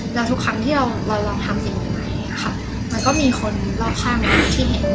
แล้วทุกครั้งที่เราลองทำสิ่งใหม่มันก็มีคนรอบข้างที่เห็น